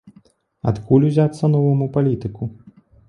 Адкуль узяцца новаму палітыку?